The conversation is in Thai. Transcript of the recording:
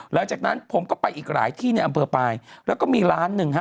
หลังจากนั้นผมก็ไปอีกหลายที่ในอำเภอปลายแล้วก็มีล้านหนึ่งฮะ